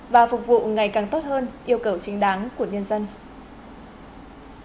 và phục vụ ngày càng tốt hơn yêu cầu chính đáng của nhân dân